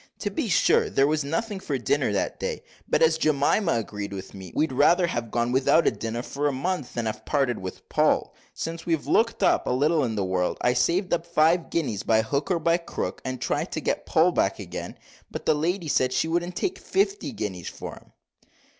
To be sure, there was nothing for dinner that day; but, as Jemima agreed with me, we'd rather have gone without a dinner for a month, than have parted with Poll. Since we've looked up a little in the world, I saved up five guineas, by hook or by crook, and tried to get Poll back again, but the lady said she wouldn't take fifty guineas for him."